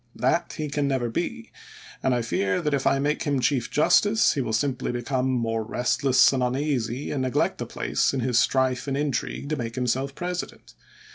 That he can never be ; and I fear that if I make him chief justice he will simply become more restless and uneasy and neglect the place in his strife and intrigue to make himself President.